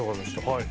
はい。